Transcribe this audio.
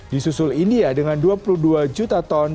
disusul india dengan dua puluh dua juta ton